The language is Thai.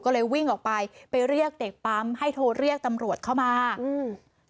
ก็เลยวิ่งออกไปไปเรียกเด็กปั๊มให้โทรเรียกตำรวจเข้ามาอืม